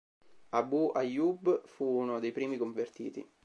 Abū Ayyūb fu uno dei primi convertiti.